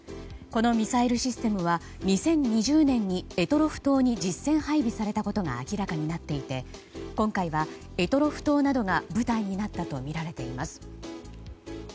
このミサイルシステムは２０２０年に択捉島に実戦配備されたことが明らかになっていて今回は、択捉島などが舞台になったとみられています。